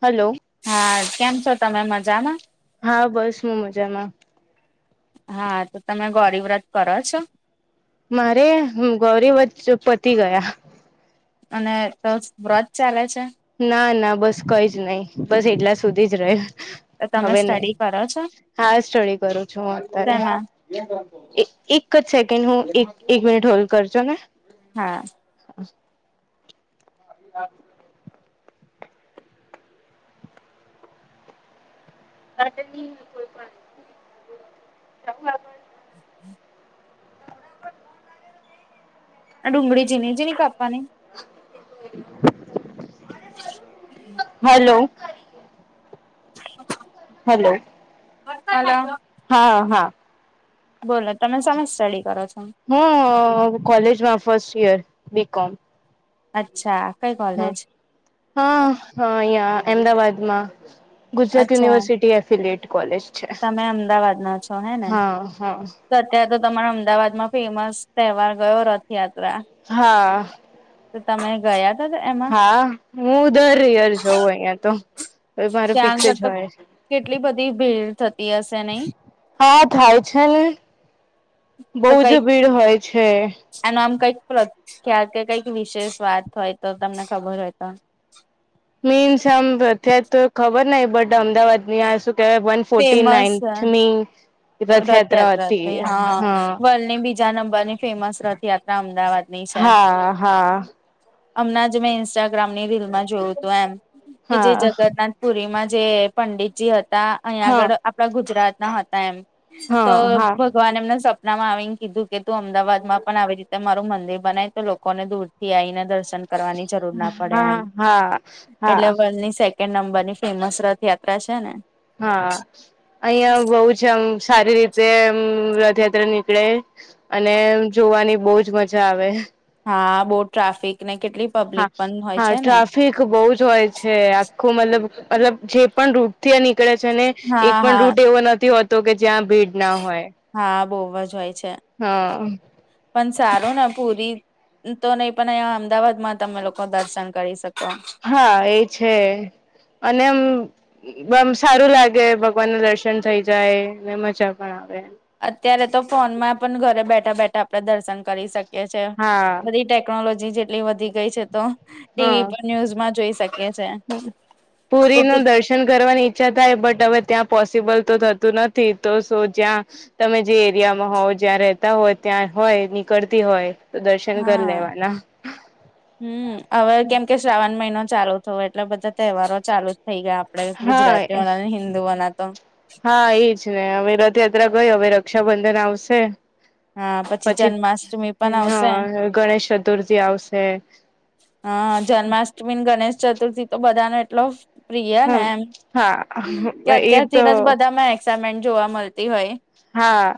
Hello? હા કેમ છો તમે મજામાં.? હા બસ હું મજામાં. હા તો તમે ગૌરી વ્રત કરો છો? મારે ગૌરી વ્રત પતિ ગયા. અને તો વ્રત ચાલે છે.? ના ના બસ કઈ જ નહી બસ એટલા સુધી જ રહ્યી. તો તમે હવે નહી. સ્ટડી કરો છો હા સ્ટડી કરું છું હું અત્યારે. તેમાં એક જ સેકન્ડ હું એક એક મિનિટ હોલ કરજો ને, હા! કોઈ પણ [inaudible] ડુંગળી જીની જની કાપાની? હેલો! હ [inaudible] હલો! હલો! હા હા! બોલો તમે સમજ સ્ટડી કરો છો.? હું કોલેજમાં, ફર્સ્ટ ઈયર, બી કોમ. અચ્છા, કઈ કોલેજ? હા હ અંહિયા અમદાવાદમાં ગુજરાત અચ્છા યુનિવર્સિટી એફ. Fillet college? છે તમે અમદાવાદ ના છો હે ને? હા હા અત્યારે તો, તમારા અમદાવાદમાં ફેમસ તહેવાર ગયો રથયાત્રા. હા! તો તમે ગયા? હતા એમાં હા હું દર યાર જોઉં અહિયાં તો મારે ત્યાં ફિક્સ આગળ જ તો હોય કેટલી બધી ભીડ થતી હશે નહી હા થાય છે ને બહજ ભીડ હોય છે આનું આમ કઈક પ્રખ્યાત કે કઈક વિશેષ વાત હોય તો તમને ખબર હોય તો મીન્સ આમ અત તો ખબર નહ બટ અમદાવાદ ની આ શું કેવાયન ફોર્ટી નાઇન્થ મી રથયાત્રા ત હા વર્લ્ડની બીજા નંબરની ફેમસ રથયાત્રા અમદાવાદની છે હા હા હમણાં જ મેં ઇન્સ્ટાગ્રામની રીલમાં જોયું હતું એમ કે જે હા જગન્નાથ પુરીમાં જે પંડિતજી હતા અહીંયા હા આગળ આપડા ગુજરાત ના હતા એમ તો હા હા બ તો આને એમને સપનામાં આવીને કીધું કે તું અમદાવાદ માં પણ આવી રીતે મારું મંદિર બનાય તો લોકોને દૂર થી આઈને દર્શન કરવાની જરૂર ના પડે એમ હા હા એટલે હા વની નંબર ની ફેમસ રથયાત્રા છે ને હા અહં બહ છે આમ સારી રીતેમ રથયાત્રા ની નીકળે અને જોવાની બહજ મજા આવે હા બહુ ટ્રાફિક ને કેટલી પબ્લિક પણ હોય છે ને ફીખ બહુ જ હોય છે આખું મતલબ મતલબ જે પણ રૂપથીની નીકળે છે ને એક હા પણ હા રૂટ એવો નથી હોતો કે જ્યાં ભીડ ના હોય હા બહુ જ હોય છે હા પણસારો ના પૂરી તો નહીિ પણ અહીયા અમદાવાદમાં તમે લોકો દર્શન કરી શકો હા એ છે અને એમ મ સારું લાગે ભગવાન નું દર્શન થઇ જાય ને મજા પણ આવે અત્યારે તો ફોનમાં પણ ઘરે બેઠા બેઠા આપડે દર્શન કરી શકીએ હા બધી ટેકનોલોજી જેટલી વધી ગઈ છે તો ટીવી પર ન્યુઝમાં જોઈ શકે હ પુરી ન દર્શન કરવાની ઈચ્છા થાય બટ હવે ત્યાં પોસિબલ તો થતું નથી તો સ જ્યાં તમે જે એરિયામાં હોવ જ્યાં રહેતા હોય ત્યાં હોય નીકળતી હોય તો દર્શન કરી હા લેવાના હમ હવે કેમ કે શ્રાવણ મહિનો ચાલુ થયો એટલે બધા તહેવારો ચાલુ જ થઇ ગયા આપણે ગુજરાતી હા વાળ ને હિન્દુ વાળ તો હા એજ ને હવે રથયાત્રા ગઈ હવે રક્ષાબંધન આવશે હા પછી જન્માષ્ટમી પણ પછી આવશે હા ગણેશ ચતુર્થી આવશે હા જન્માષ્ટમી ગણેશ ચતુર્થી તો બધાનો એટલો પ્રિયા ને હમ એમ કે હા એ અત્યારથી તો જ બધામાં એક્સમેન્ટ જોવા મળતી હોય હા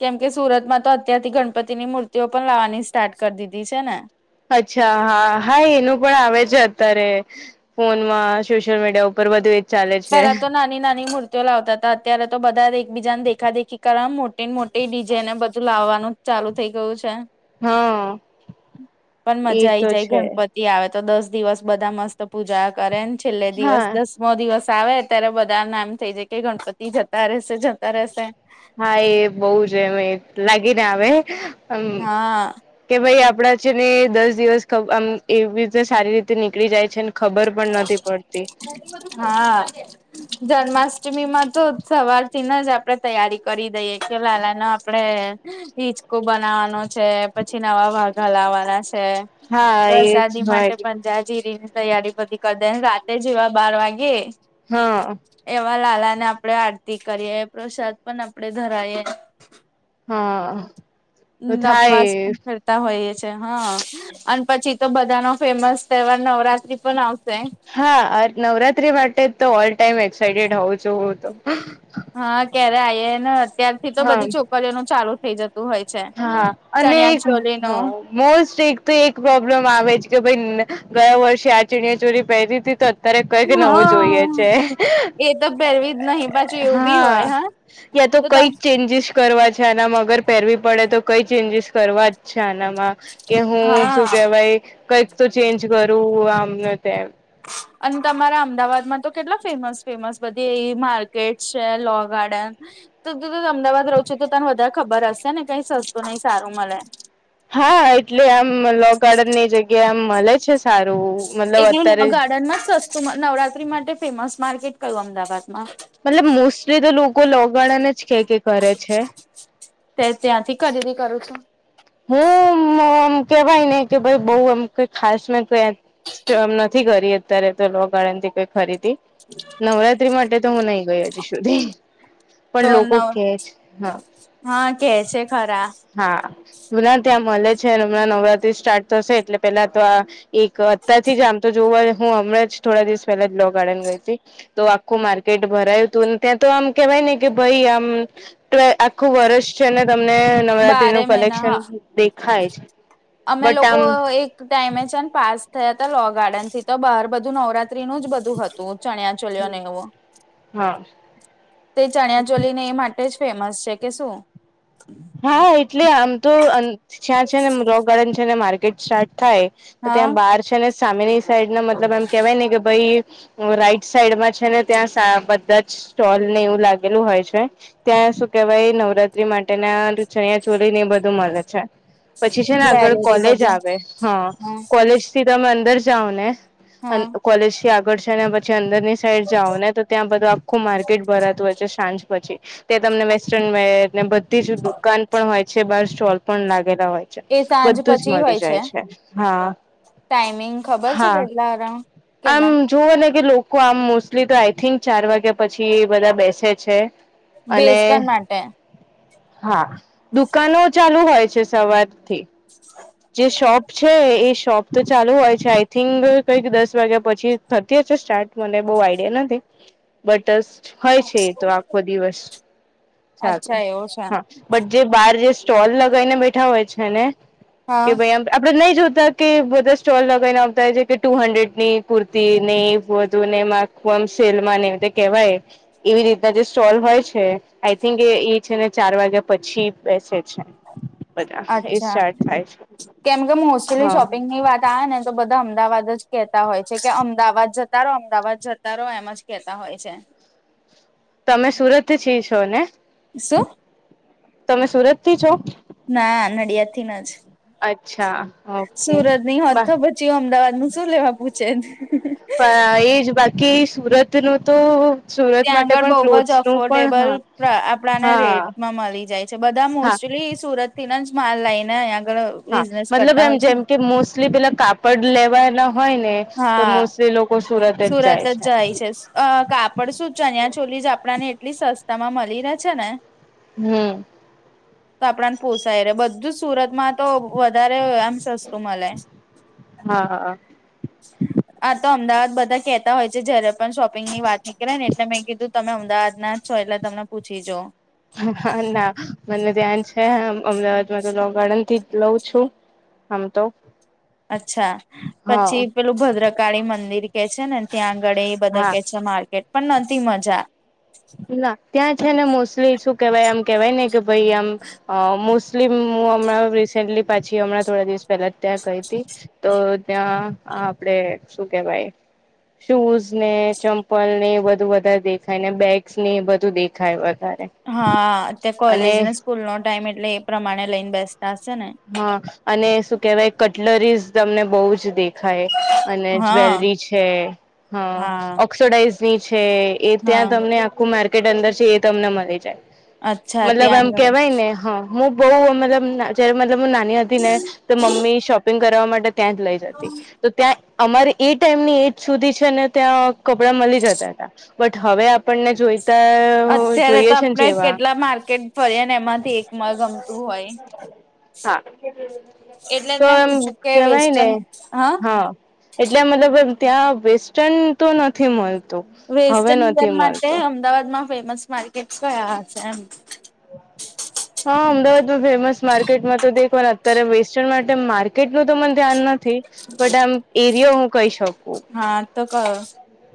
કેમ કે સુરતમાં તો અત્યારથી ગણપતિની મૂર્તિઓ પણ લાવવાની સ્ટાર્ટ કરી દીધી છે ને અચ્છા હા હા એનું પણ આવે છે અત્યારે ફોન માં સોશિયલ મીડિયા ઉપર બધું ચાલે છે પેલા તો નાની નાની મૂતી લાવતા હતા અત્યારે તો બધા એકબીજાને દેખા દેખી કરવા મોટી ને મોટી ડિઝાઇન બધું લાવવાનું ચાલુ થઈ ગયું છે હા પણ મજા એ આઈ તો જાય છે ગણપતિ આવે તો દસ દિવસ બધા મસ્ત પૂજા કરે છેલ્લે દિવસ હા દસમો દિવસ આવે અત્યારે બધા નામ થઇ જાય કે ગણપતિ જતા રહેશે જતા રશે હા એ બહ જ એમ લાગીને હ હા કે ભાઈ આપડા છે ને દસ દિવસ આમ એવીીતે સારી રીતે નીકળી જાય છે ખબર પણ નથી પડતી હા આ જન્માષ્ટમી માં તો સવારથી જ આપણે તૈયારી કરી દઈએ લાલા ન આપડે હિચકો બનાવાનો છે પછી નવા વાઘા લાવાના છે હા એજ પ્રસાદી હોય માટે પંજાજીરી તૈયારી બધી કરી દેને રાતે જેવા બાર વાગે હહહ એવા લાલા ને આપણે આરતી કરીએ પ્રસાદ પણ આપણેે ધરાવીએ હા તો નપવાસ થાય પણ [inaudible] [unintelligible] હોઈએ છે હા અને પછી તો બધા ન ફેમસ તહેવાર નવરાત્રી પણ આવશે હા નવરાત્રી માટે તો ઓલ ટાઈમ એક્સાઈટેડ હોઉં છું હ તો હા ક્યારે આઈ ને અત્યારથી તો હા બધી છોકરીઓ ન ચાલુ થઈ જતી હા અને હ નું મોસ્ટ એક તો એક પ્રોબ્લેમ આવે છે કે [unintelligible] ભાઈ ગયા વર્ષે આ ચણિયાચોળી પહેરી હતી તો ત્યારે કઈક નવું જોઈએ હા છે એ તો પહેરવી જ નહી પાછું એવું બી હા હોય યા તો કઈ ચેન્જીસ કરવા છે આના મ વગર પહેરવી પડે તો કઈ ચેન્જીસ કરવા જ છાનામાં કે હું હા શું કેહેવાય કંઈક તો ચેન્જ કરું આમને તેમ અને તમારા અમદાવાદમાં તો કેટલા ફેમસ ફેમસ બધીયે માર્કેટ છે લો ગાર્ડન તો [inaudible] અમદાવાદ રહો છો તો તને વધારે ખબર હશે ને કઈ સસ્તું નહ સારું મળે હા એટલે આમ લો ગાર્ડન ની જગ્યાએ આમ મળે છે સારું મતલબ એકલું અત્યારે [inaudible] [unintelligible] નવરાત્રી માટે ફેમસ માર્કેટ કયું અમદાવાદમાં મતલબ મોસ્ટલી તો લોકો લોગાર્ડન જ કે કે કરે છે તે ત્યાંથી ખરીદી થી કરો છું હું [unintelligible] આમ કેવાય ને કે ભાઈ બઉ એમઈ ખાસ મે [inaudible] નથી કરી અત્યારે તો લોગાર્ડન થી કોઈ ખરીદી નવરાત્રી માટે તો હું નઈ ગય હજી સુધી પણ તો લોકો નવ કેજ હા હા કે છે ખરા હા હમણાં ત્યાં મળે છે અને હમણાં નવરાત્રી સ્ટાર્ટ થશે એટલે પેલા તો આ એક અત્યારથી જ આમ તો [unintelligible] હું હમણાં જ થોડા દિવસ પહેલા જ લો ગાર્ડન ગઈ હતી તો આખું માર્કેટ ભરાયું હતું ત્યાં તો આમ કેવાય ને કે ભઈ આમ આખું વર્ષ છે ને તમને નવરાત્રી બારે ન મહિના કલેક્શન હા દેખાય છે અમે બટ લોકો આમ એક ટાઈમેચન પાસ થયા હતા લો ગાર્ડન થી તો બહાર બધું નવરાત્રી નું જ બધું હતું ચણિયા ચોલીઓને એવું હા તે ચણિયા ચોલી ને એ માટે એ જ ફેમસ છે કે શું હા એટલે આમ તો ત્યાં છે ને લૉ ગાર્ડન છે ને માર્કેટ સ્ટાર્ટ થાય તો હા ત્યાં બહાર છે ને સામેની સાઈડ ના મતલબ એમ કેવાય ને કે ભઈ રાઈટ સાઈડમાં છે ને ત્યાં બધા જ સ્ટોલ ને એવું લાગેલું હોય છે ત્યાં શું કેવાય નવરાત્રી માટે ના ચણિયા ચોલી ને એ બધું મળે છે પછી છે ને આગળ જ્વેલરી કોલેજ બધું આવે હા કોલેજ થી તમે અંદર જાઓ ને હા [inaudible] કોલેજથી આવે ગડશે પછી અંદર ની સાઈડ જાઓ ને તો ત્યાં બધું આખું માર્કેટ ભરાતું હોય છે સાંજ પછી ત્યાં તમને વેસ્ટર્નવિયર ને બધી જ દુકાન પણ હોય છે બાર સ્ટોલ પણ લાગેલા હોય એ સાંજ બધું જ પછી મળી હોય જાય છે હા ટાઈમિંગ ખબર છે હા કેટલા અરાઉન્ડ આમ કેટલા જોવા ને કે લોકો આમ મોસ્ટલી તો આઈ થિંક ચાર વાગ્યા પછી એ બધા બેસે છે અને [inaudible] માટે હા દુકાનો ચાલુ હોય છે સવારથી [unintelligible] જે શોપ છે એ શોપ તો ચાલુ હોય છે આઈ થિંક કંઈક દસ વાગ્યા પછી થતી હશે સ્ટાર્ટ મને બહ આઈડિયા નથી બટ હોય છે એ તો આખ બ દિવસ્ત અચ્છા સારું એવું છે હા બટ જે બાર જે સ્ટોલ લગાવને બેઠા હોય છે ને કે હા ભાઈ એમ આપડણે નહી જોતા કે બધા સ્ટોલ લગાવને આવતા હો છે કે ટુ હંડ્રેડ ની કુર્તી નહ વધુ ને એ કોમ સેલમાં ને કહેવાય એવી રીતના જે સ્ટોલ હોય છે આઈ થિંક એ એ છે ને ચાર વાગ્યા પછી બેસે છે બધા એ અચ્છા સ્ટાર્ટ થાય કેમ કે છે મોસ્ટલી હા શોપિંગની વાત આવે ને તો બધા અમદાવાદ જ કેતા હોય છે કે અમદાવાદ જતા રહો અમદાવાદ જતા રહો એમજ કેતા હો હોય છે તમે સુરત થી છ છો ને શું તમે સુરત થી છો ના નડિયાદ થી ન જ અચ્છા ઓકે સુરત ની બ હોત તો અમદાવાદ નું શું લેવા પૂછે પણ એજ બાકી સુરત નું તો સુરત ત્યાં માટે આગળ પણ બહુ જ ક્લોથસ નું પણ અફોર્ડેબલ હા આપડાને હા રેટમાં મળી જાય બધા હા મોસ્ટલી સુરત થી ના જ માલ લઈ ને આગળ હા બિઝનેસ મતલબ કરતા એમ હોય છે જેમ કે મોસ્ટલી પેલા કાપડ લેવાયલા હોય ને તો હા મોસ્ટલી લોકો સુરત જ જાય છે અ કાપડ શું ચન્યાછોલી જ આપણા ને એટલી સસ્તા માં મળી રહે છે ને હમ્મ તો આપડાને પોસાય રે બધું સુરતમાં તો વધારે આમ સસ્તું મળે હા હા હા આ તો અમદાવાદ બધા કેતા હોય છે. જયારે પણ શોપિંગ ની વાત નીકળે ને એટલે મેં કીધું તમે અમદાવાદ ના જ છો એટલે તમને પૂછી જોઉ હા હા ના મને ધ્યાન છે અમદાવાદ માં તો લો ગાર્ડન થી જ લઉ છું હમ તો અચ્છા હા પછી પેલું ભદ્રકાળી મંદિર કે છે ને ત્યાં આગળ એ બધા હા કે છે માર્કેટ પણ નતી મજા ના ત્યાં છે ને મોસ્ટલી શું કેવાય આમ કેવાય ને કે ભાઈ આમ અ મોસ્ટલી હું હમણાં રિસેન્ટલી પાછી હમણાં થોડા દિવસ પહેલા જ ત્યાં ગઈ હતી તો ત્યાં આપડે શું કેવાય શૂઝ ને ચંપલ ને એ બધુ વધારે દેખાય ને બેગ બેગસ ને એ બધું દેખાય વધારે હા અ ત્યાં અને કોલેજ ને સ્કૂલ નો ટાઈમ એટલે એ પ્રમાણે લઈને બેસતા હશે ને હા અને શું કેહેવાય કટલરીઝ તમને બહુ જ દેખ ખાય અને હા જ્વેલરી છે હા ઓક્સોડાઇઝની છે એ હા ત્યાં તમને આખું માર્કેટ અંદર છે એ તમને મળી જાય અચ્છા મતલબ ત્યાં એમ આગળે કેવાય ને હ હું બહુ મતલબ જયારે મતલબ નાની હતી ને તો મમ્મી શોપિંગ કરવા માટે ત્યાં જ લઈ જતી તો ત્યાં અમારે એ ટાઈમની એજ સુધી છે. ત્યાં કપડા મળી જતા હતા બટ હવે આપણને જોઈતા અત્યારે તો જોઈએ છે ને આપણેે જેવા કેટલા માર્કેટ ફરીએ ને એમાંથી એકમાં ગમતું હોય હા એટલે જ તો મેં એમ પૂછ્યું કે કેવાય ને વેસ્ટર્ન હા એટલે મતલબ ત્યાં વેસ્ટન તો નથી મળ વેસ્ટન માટે અમદાવાદમાં ફેમસ માર્કેટ કયા હશે એમ હા અમદાવાદમાં ફેમસ માર્કેટમાં તો દેખવા અત્યારે વેસ્ટન માટે માર્ માર્કેટ નું તો મને ધ્યાન નથી બટ આમ એરિયો હું કહી શકું હા તો ક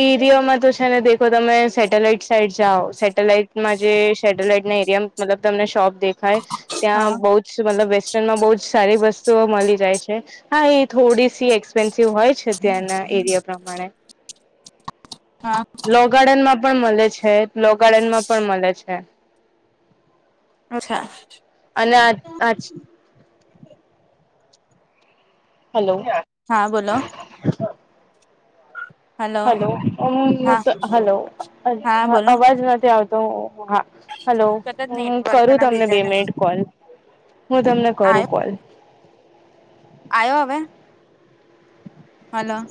એરિયામાં તો છે ને દેખો તમે સેટેલાઈટ સાઈડ જાઓ સેટેલાઈટમાં જે સેટેલાઈટ એમ મતલબ તમને શોપ દેખાય હા ત્યાં બઉ મતલબ વેસ્ટર્ન માં બહુ જ સારી વસ્તુઓ મળી જાય છે. હા એ થોડી સી એક્સપેન્સિવ હોય છે ત્યાંના એરિયા પ્રમાણે. [inaudible] હા લો ગાર્ડન માં પણ મળે છે. લો ગાર્ડન માં પણ મળે છે. અચ્છા અને આચ આચ હલો હા બોલો હલો હ હા તો હલો હા બોલો અવાજ નથી આવતો હા. હલો કદાચ હું નેટવર્ક કરું ના તમને લીધે બે ને મિનિટ કોલ હું તમને કરું કોલ. આવ્યો હવે હલો